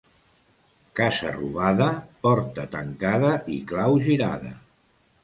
Casa robada, porta tancada i clau girada.